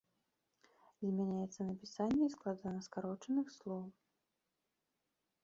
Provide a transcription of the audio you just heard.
Змяняецца напісанне і складанаскарочаных слоў.